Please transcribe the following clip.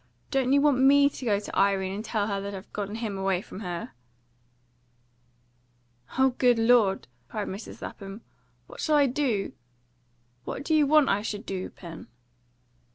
"Do you want ME to go to Irene and tell her that I've got him away from her?" "O good Lord!" cried Mrs. Lapham. "What shall I do? What do you want I should do, Pen?"